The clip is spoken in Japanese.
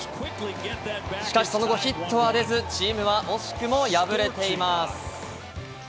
しかし、その後ヒットは出ず、チームは惜しくも敗れています。